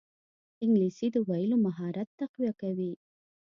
انګلیسي د ویلو مهارت تقویه کوي